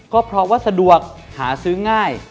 ก็เพราะว่าสะดวกหาซื้อง่าย